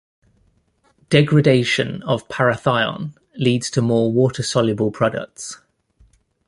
Degradation of parathion leads to more water-soluble products.